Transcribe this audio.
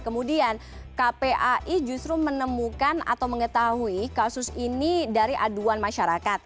kemudian kpai justru menemukan atau mengetahui kasus ini dari aduan masyarakat